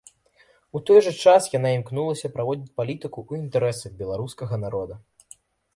У той жа час яна імкнулася праводзіць палітыку ў інтарэсах беларускага народа.